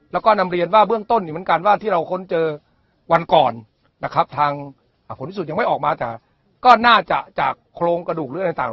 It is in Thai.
แล้วก็นำเรียนว่าเบื้องต้นอยู่เหมือนกันว่าที่เราค้นเจอวันก่อนนะครับทางผลพิสูจนยังไม่ออกมาแต่ก็น่าจะจากโครงกระดูกหรืออะไรต่าง